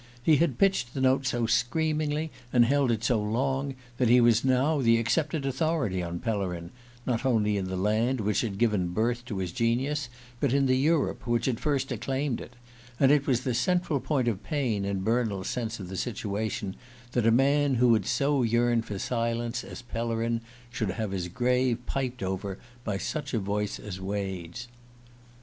He had pitched the note so screamingly, and held it so long, that he was now the accepted authority on Pellerin, not only in the land which had given birth to his genius but in the Europe which had first acclaimed it; and it was the central point of pain in Bernald's sense of the situation that a man who had so yearned for silence as Pellerin should have his grave piped over by such a voice as Wade's.